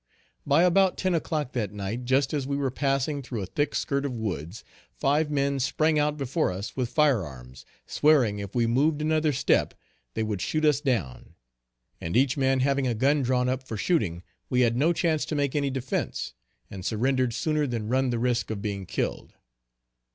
Buy about ten o'clock that night just as we were passing through a thick skirt of woods, five men sprang out before us with fire arms, swearing if we moved another step, they would shoot us down; and each man having a gun drawn up for shooting we had no chance to make any defence, and surrendered sooner than run the risk of being killed.